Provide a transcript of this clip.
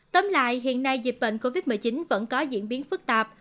tóm lại hiện nay dịch bệnh covid một mươi chín vẫn có diễn biến phức tạp